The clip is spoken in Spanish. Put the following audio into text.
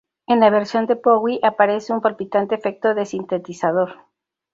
En la versión de Bowie aparece un palpitante efecto de sintetizador.